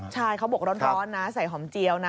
ใช่เขาบอกร้อนนะใส่หอมเจียวนะ